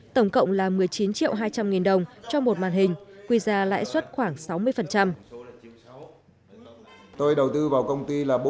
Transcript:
tổng cộng là một mươi chín triệu hai trăm linh nghìn đồng cho một màn hình quy giá lãi suất khoảng sáu mươi